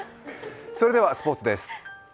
それではスポーツです。